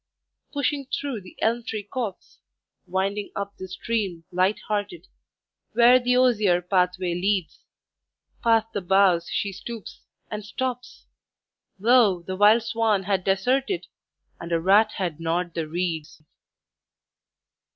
Pushing through the elm tree copse, Winding up the stream, light hearted, Where the osier pathway leads Past the boughs she stoops and stops. Lo, the wild swan had deserted, And a rat had gnawed the reeds.